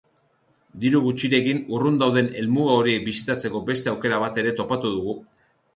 Diru gutxirekin urrun dauden helmuga horiek bisitatzeko beste aukera bat ere topatu dugu.